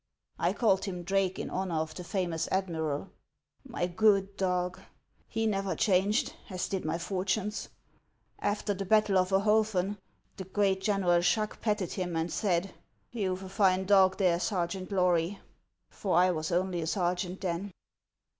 I called him Drake in honor of the famous admiral. My good dog ! He never changed, as did my fortunes. After the battle of Oholfen, the great General Schack patted him, and said :' You 've a fine clog there, Sergeant Lory !'— for I was only a sergeant then."